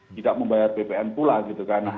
tidak membayar bpn pula gitu kan